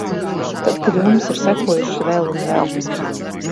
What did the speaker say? Tad kļūmes ir sekojušas vēl un vēl.